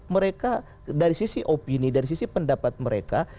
mereka dari sisi opini dari sisi pendapat mereka